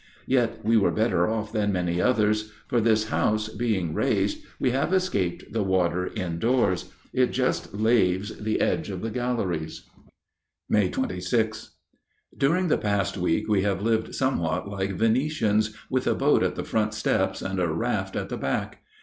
Yet we were better off than many others; for this house, being raised, we have escaped the water indoors. It just laves the edge of the galleries. May 26. During the past week we have lived somewhat like Venetians, with a boat at the front steps and a raft at the back.